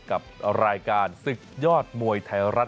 กับรายการศึกยอดมวยไทยรัฐ